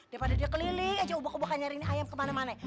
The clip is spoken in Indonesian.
daripada dia keliling aja ubah ubah nyari ayam kemana mana